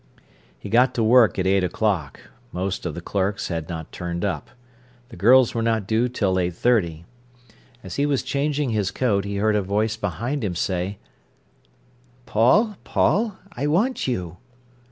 He got to work at eight o'clock. Most of the clerks had not turned up. The girls were not due till 8.30. As he was changing his coat, he heard a voice behind him say: "Paul, Paul, I want you."